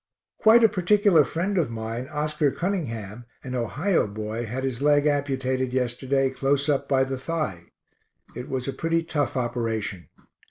Quite a particular friend of mine, Oscar Cunningham, an Ohio boy, had his leg amputated yesterday close up by the thigh. It was a pretty tough operation.